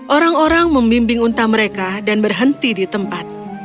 orang orang membimbing unta mereka dan berhenti di tempat